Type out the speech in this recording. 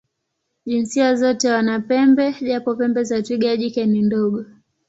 Jinsia zote wana pembe, japo pembe za twiga jike ni ndogo.